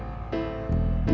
aku mau ke tempat usaha